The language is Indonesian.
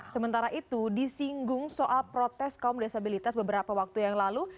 sementara itu disinggung soal protes kaum disabilitas beberapa waktu yang lalu